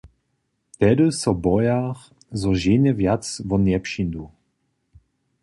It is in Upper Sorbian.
Tehdy so bojach, zo ženje wjace won njepřińdu.